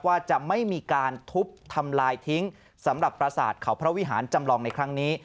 ว่าจะไม่มีการทุบทำลายทิ้งสำหรับประสาทเขาพระวิหารจำลองในครั้งนี้